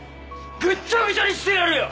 ぐっちゃぐちゃにしてやるよ！